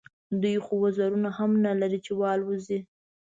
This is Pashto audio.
دوی خو وزرونه هم نه لري چې والوزي.